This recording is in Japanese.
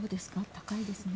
高いですね。